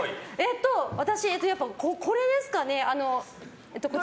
私、これですかね。